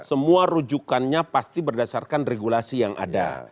semua rujukannya pasti berdasarkan regulasi yang ada